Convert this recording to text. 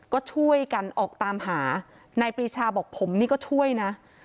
ก็ช่วยกันออกตามหานายปรีชาบอกผมนี่ก็ช่วยนะ